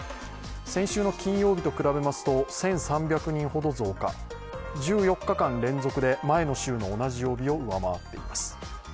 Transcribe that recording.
先週の金曜日と比べると１３００人ほど増加、１４日間連続で前の週の同じ曜日を上回っています。